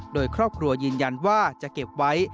โดยครอบครัวยืนยันว่าจะเก็บไว้